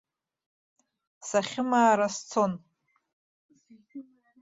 Сахьымаара сцон.